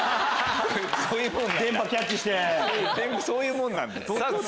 そういうもんなんだ。